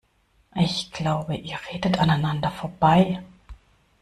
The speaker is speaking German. Ich glaube, ihr redet aneinander vorbei.